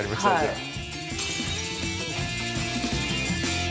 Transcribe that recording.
はい。